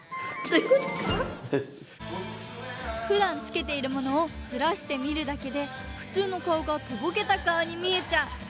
ふだんつけているものをズラしてみるだけでふつうの顔がとぼけた顔にみえちゃう。